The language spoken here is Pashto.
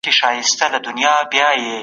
کمېسیونونه خپل راپور څنګه وړاندي کوي؟